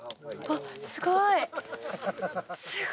あっすごい。